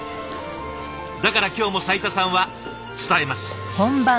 だから今日も斉田さんは伝えます。